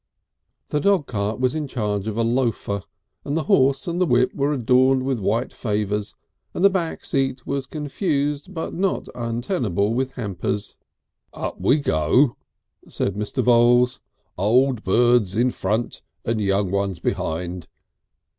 The dog cart was in charge of a loafer, and the horse and the whip were adorned with white favours, and the back seat was confused but not untenable with hampers. "Up we go," said Mr. Voules, "old birds in front and young ones behind."